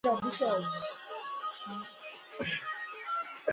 არტაგმა უკან დაიხია, ამალითა და ჯარის ნაწილით არაგვზე გადავიდა და ხიდი აქაც დაწვა.